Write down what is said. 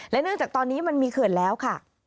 เนื่องจากตอนนี้มันมีเขื่อนแล้วค่ะ